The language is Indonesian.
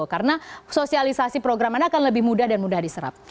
karena sosialisasi program anda akan lebih mudah dan mudah diserap